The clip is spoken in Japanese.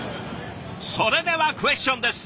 それではクエスチョンです！